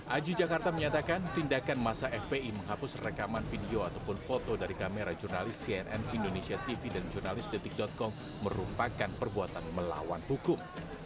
aji jakarta menyatakan tindakan masa fpi menghapus rekaman video ataupun foto dari kamera jurnalis cnn indonesia tv dan jurnalis detik com merupakan perbuatan melawan hukum